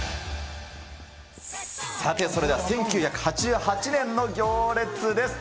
さてそれでは１９８８年の行列です。